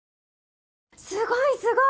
すごいすごい！